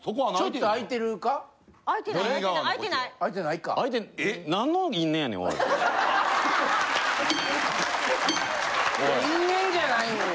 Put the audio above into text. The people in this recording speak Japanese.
いや因縁じゃないねん。